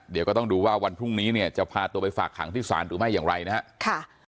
เดี๋ยวก็ต้องดูว่าวันพรุ่งนี้เนี่ยจะพาตัวไปฝากขังที่ศาลหรือไม่อย่างไรนะครับ